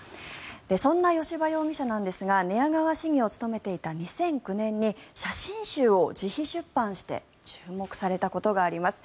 そんな吉羽容疑者ですが寝屋川市議を務めていた２００９年に写真集を自費出版して注目されたことがあります。